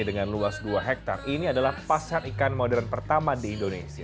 dengan luas dua hektare ini adalah pasar ikan modern pertama di indonesia